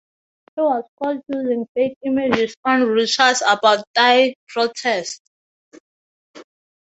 He was caught using fake images on Reuters about Thai protests.